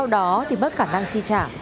đó thì mất khả năng chi trả